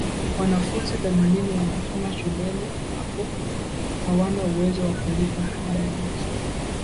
Wanafunzi themanini wanaosoma shuleni hapo hawana uwezo wa kulipa ada ya masomo